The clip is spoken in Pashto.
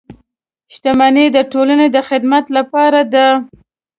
• شتمني د ټولنې د خدمت لپاره ده.